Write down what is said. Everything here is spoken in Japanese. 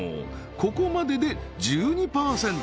ここまでで１２％